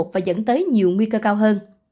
và dẫn tới nhiều nguy cơ cao hơn